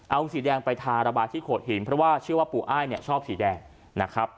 เอาสีแดงไปทาระบายที่โขดหินเพราะว่าชื่อว่าปู่อ้ายเนี่ยชอบสีแดงนะครับ